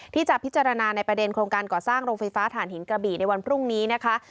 ที่จะพิจารณาในประเด็นโครงการก่อสร้างโรงไฟฟ้าฐานหินกระบี่ในวันพรุ่งนี้นะคะ